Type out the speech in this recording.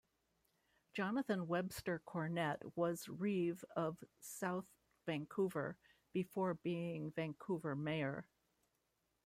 Jonathan Webster Cornett was reeve of South Vancouver before being Vancouver mayor.